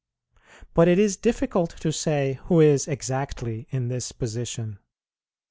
But it is difficult to say who is exactly in this position.